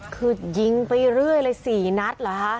คือยิงไปเรื่อยเลย๔นัดเหรอคะ